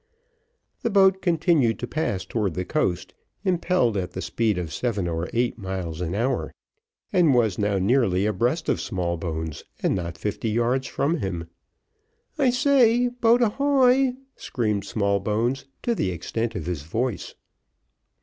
The boat continued to pass towards the coast, impelled at the speed of seven or eight miles an hour, and was now nearly abreast of Smallbones, and not fifty yards from him. "I say, boat ahoy!" screamed Smallbones, to the extent of his voice.